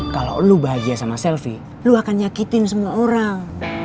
kalau lo bahagia sama selfie lu akan nyakitin semua orang